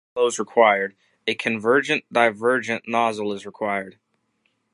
If an acceleration to supersonic flow is required, a convergent-divergent nozzle is required.